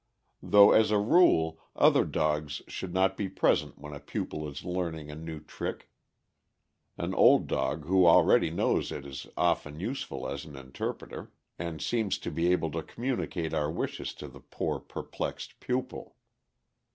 Though, as a rule, other dogs should not be present when a pupil is learning a new trick, an old dog who already knows it is often useful as an interpreter, and seems to be able to communicate our wishes to the poor perplexed pupil.